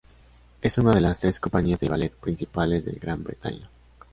Es una de las tres compañías de ballet principales del Gran Bretaña.